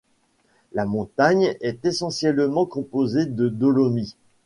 La montagne est essentiellement composée de dolomie.